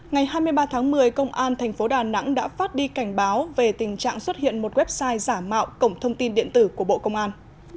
ngày hai mươi ba tháng một mươi công an tp đà nẵng đã phát đi cảnh báo về tình trạng xuất hiện một website giả mạo cổng thông tin điện tử của bộ công an